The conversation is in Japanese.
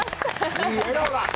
いい笑顔だ。